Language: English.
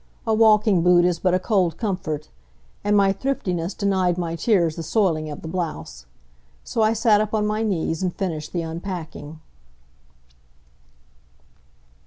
A walking boot is but a cold comfort. And my thriftiness denied my tears the soiling of the blouse. So I sat up on my knees and finished the unpacking.